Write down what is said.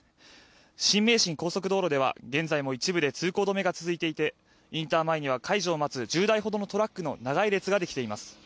新名神高速道路では現在も一部で通行止めが続いていてインター前には開場を待つ１０台ほどのトラックの長い列ができています